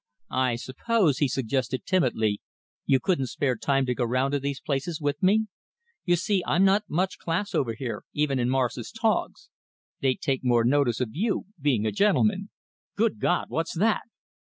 "I suppose," he suggested timidly, "you couldn't spare the time to go round to these places with me? You see, I'm not much class over here, even in Morris's togs. They'd take more notice of you, being a gentleman. Good God! what's that?"